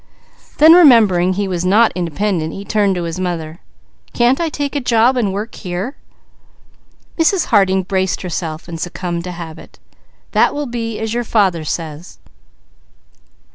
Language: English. Then remembering he was not independent he turned to his mother. "Can't I take a job and work here?" Mrs. Harding braced herself and succumbed to habit. "That will be as your father says."